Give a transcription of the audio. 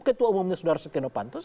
ketua umumnya sudara steno panto